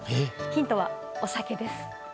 ヒントは、お酒です。